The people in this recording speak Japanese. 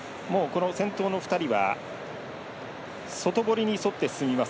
この先頭の２人は外堀に沿って進みます